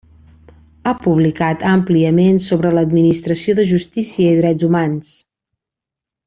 Ha publicat àmpliament sobre l'administració de justícia i drets humans.